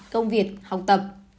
công việc học tập